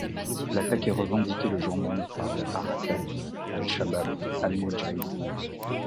L'attaque est revendiquée le jour même par le Harakat al-Chabab al-Moudjahidin.